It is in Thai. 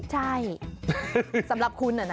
ใช่สำหรับคุณ